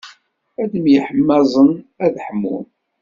Ad myeḥmaẓen ad ḥmun.